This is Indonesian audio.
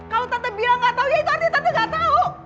kalau tante bilang gak tahu ya itu artinya tante gak tahu